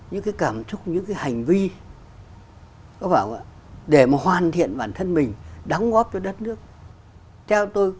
những cái cảm xúc những cái hành vi có bảo để mà hoàn thiện bản thân mình đóng góp cho đất nước theo tôi